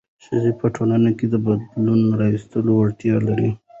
ښځې په ټولنه کې د بدلون راوستلو وړتیا لري.